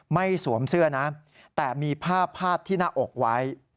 สวมเสื้อนะแต่มีผ้าพาดที่หน้าอกไว้